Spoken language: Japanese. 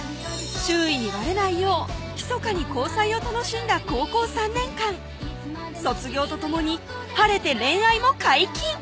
周囲にばれないよう密かに交際を楽しんだ高校３年間卒業とともに晴れて恋愛も解禁